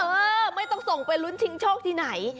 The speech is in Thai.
เออไม่ต้องส่งไปลุ้นชิงโชคที่ไหน